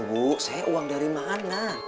bu saya uang dari mana